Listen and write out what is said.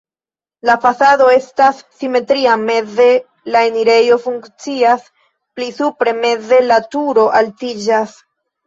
La fasado estas simetria, meze la enirejo funkcias, pli supre meze la turo altiĝas.